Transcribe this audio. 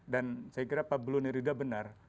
dan saya kira pak blunirudha benar